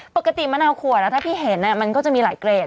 ปกติมะนาวขวดแล้วถ้าพี่เห็นมันก็จะมีหลายเกรด